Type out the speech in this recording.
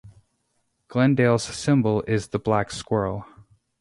Glendale's symbol is the black squirrel.